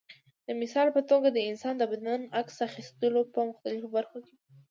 د مثال په توګه د انسان د بدن عکس اخیستلو په مختلفو برخو کې.